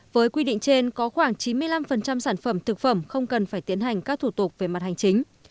với quy định trên có khoảng chín mươi năm sản phẩm thực phẩm không cần phải tiến hành các thủ tục về mặt hành chính